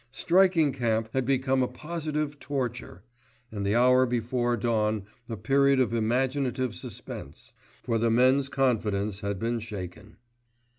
Striking camp had become a positive torture, and the hour before dawn a period of imaginative suspense; for the men's confidence had been shaken.